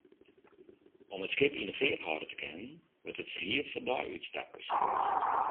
Om it skip yn 'e feart hâlde te kinnen, wurdt it ferhierd foar deiútstapkes.